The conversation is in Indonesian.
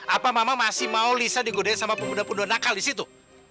apa mama masih mau lisa digodain sama pemuda pemuda nakal di situ